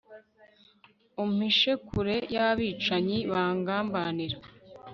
umpishe kure y'abicanyi bangambanira